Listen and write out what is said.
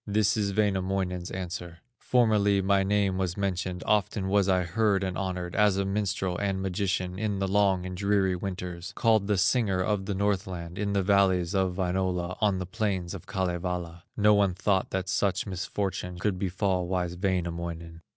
This is Wainamoinen's answer: "Formerly my name was mentioned, Often was I heard and honored, As a minstrel and magician, In the long and dreary winters, Called the Singer of the Northland, In the valleys of Wainola, On the plains of Kalevala; No one thought that such misfortune Could befall wise Wainamoinen."